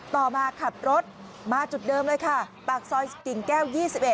ต่อมาขับรถมาจุดเดิมเลยค่ะปากซอยกิ่งแก้ว๒๑